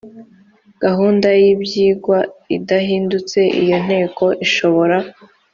gahunda y ibyigwa idahindutse iyo nteko ishobora